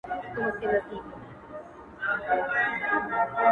گوجر ته بوره ښه ده.